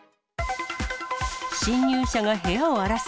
侵入者が部屋を荒らす。